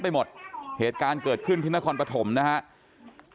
ไปหมดเหตุการณ์เกิดขึ้นที่นครปฐมนะครับ